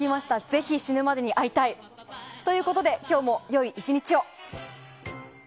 ぜひ、死ぬまでに会いたい！ということで今日も良い１日を。